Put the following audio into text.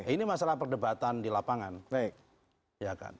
ini masalah perdebatan di lapangan